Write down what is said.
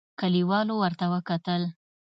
کليوالو ورته وکتل.